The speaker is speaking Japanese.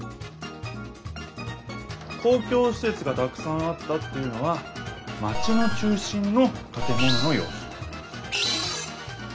「公共しせつがたくさんあった」っていうのはまちの中心のたて物のようす。